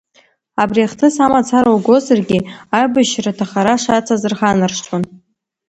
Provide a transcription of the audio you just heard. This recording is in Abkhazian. Абри ахҭыс амацара угозаргьы, аибашьра аҭахара шацыз рханаршҭуан.